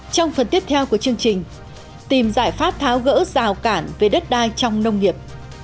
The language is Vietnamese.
trong phần tiếp theo của chương trình tìm giải pháp tháo gỡ rào cản về đất đai trong nông nghiệp